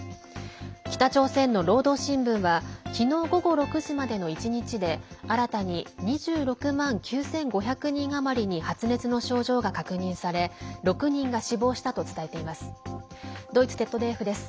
北朝鮮の労働新聞はきのう午後６時までの１日で新たに２６万９５００人余りに発熱の症状が確認され６人が死亡したと伝えています。